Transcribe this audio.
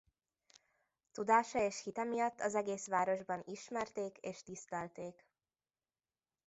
Tudása és hite miatt az egész városban ismerték és tisztelték.